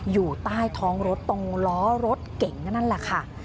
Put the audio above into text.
อยู่ใต้ท้องรถตรงล้อรถเก่งนั่นแหละค่ะ